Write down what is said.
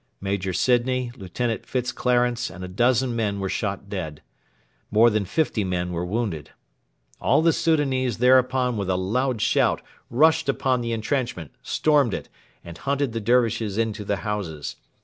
Major Sidney, Lieutenant Fitzclarence, and a dozen men were shot dead. More than fifty men were wounded. All the Soudanese thereupon with a loud shout rushed upon the entrenchment, stormed it, and hunted the Dervishes into the houses.